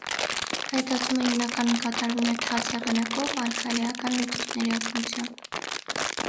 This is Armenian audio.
Հայտածումը հիմնականում կատարվում է «թաց» եղանակով՝ ալկալիական լուծույթների օգտագործմամբ։